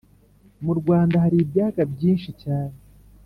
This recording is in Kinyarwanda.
Murwanda haribyaga byinshi cyane